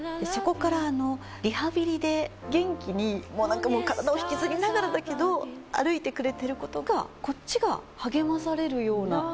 そこからリハビリで元気に体を引きずりながらだけど歩いてくれてることがこっちが励まされるような。